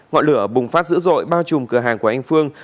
ngọn lửa bùng phát dữ dội bao trùm cửa hàng của anh phương